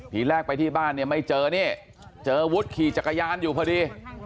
ทีแรกไปที่บ้านเนี่ยไม่เจอนี่เจอวุฒิขี่จักรยานอยู่พอดี